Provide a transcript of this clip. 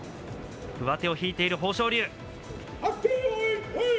上手を引いている豊昇龍。